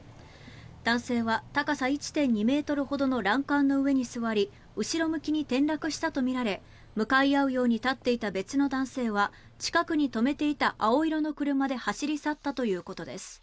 男性は、高さ１．２ｍほどの欄干の上に座り後ろ向きに転落したとみられ向かい合うように立っていた別の男性は近くに止めていた青色の車で走り去ったということです。